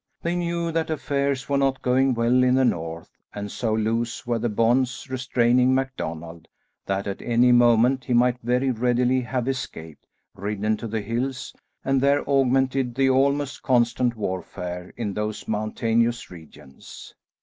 They knew that affairs were not going well in the north, and so loose were the bonds restraining MacDonald, that at any moment he might very readily have escaped, ridden to the hills, and there augmented the almost constant warfare in those mountainous regions.